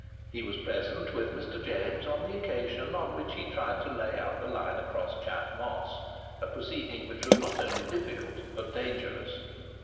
He was present with Mr. James on the occasion on which he tried to lay out the line across Chat Moss,—a proceeding which was not only difficult but dangerous.